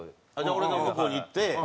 俺が向こうに行って。